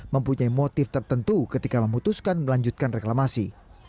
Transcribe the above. mempunyai motif tertentu ketika memutuskan melanjutkan reklamasi